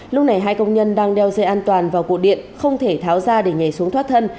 lúc này hai công nhân đang đeo dây an toàn vào cổ điện không thể tháo ra để nhảy xuống thoát thân